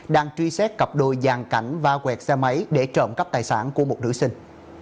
đang truy xét cặp đôi giàn cảnh va quẹt xe máy để trộm cắp tài sản của một nữ sinh